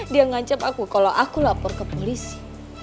dia ngancam aku kalau aku lapor ke polisi